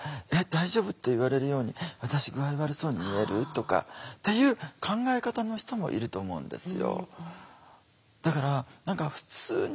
『大丈夫？』って言われるように私具合悪そうに見える？」とかっていう考え方の人もいると思うんですよ。